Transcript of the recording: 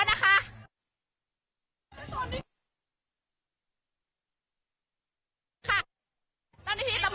สะกัดกันนะคะ